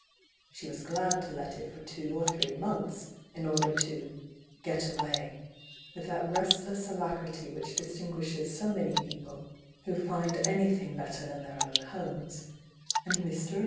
She was^ad to let it for two or three months, in order Jfno.fi*'"'^ ^'^^ that restless alacrity ^hich dis tinguirfies so many people who find anything better than their own homes, and Mr. and Mre.